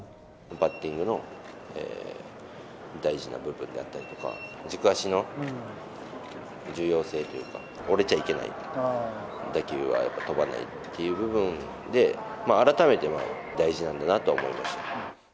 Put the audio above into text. バッティングの大事な部分だったりとか、軸足の重要性というか、折れちゃいけない、打球はやっぱ飛ばないっていう部分で、改めて大事なんだなと思いました。